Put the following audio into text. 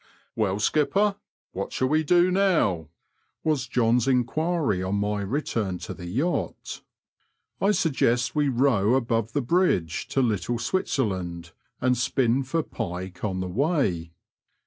'* Well, skipper, what shall we do now ?'* was John's enquiry on my return to the yacht. '* I suggest we row above the bridge to Litde Switzer land, and spin for pike on the way."